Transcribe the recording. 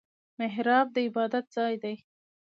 محراب د عبادت ځای دی